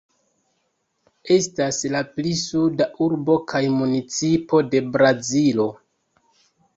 Estas la pli suda urbo kaj municipo de Brazilo.